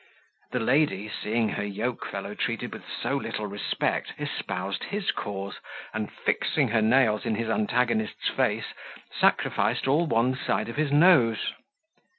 The lady, seeing her yoke fellow treated with so little respect, espoused his cause, and, fixing her nails in his antagonist's face, sacrificed all one side of his nose.